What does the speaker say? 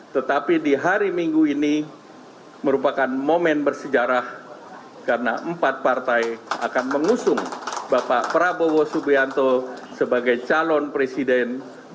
tetapi di hari minggu ini merupakan momen bersejarah karena empat partai akan mengusung bapak prabowo subianto sebagai calon presiden dua ribu dua puluh empat dua ribu dua puluh sembilan